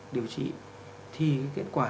điều trị thì kết quả